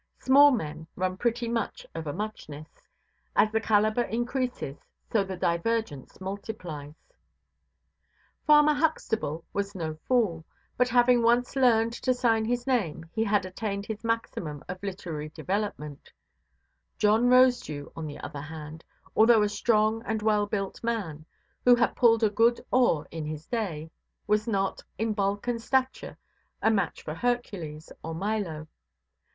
Small men run pretty much of a muchness; as the calibre increases, so the divergence multiplies. Farmer Huxtable was no fool; but having once learned to sign his name, he had attained his maximum of literary development; John Rosedew, on the other hand, although a strong and well–built man, who had pulled a good oar in his day, was not, in bulk and stature, a match for Hercules or Milo.